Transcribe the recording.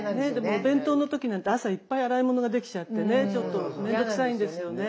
お弁当の時なんて朝いっぱい洗い物ができちゃってねちょっとめんどくさいんですよね。